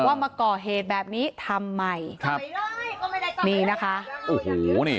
ว่ามาก่อเหตุแบบนี้ทำไมครับนี่นะคะโอ้โหนี่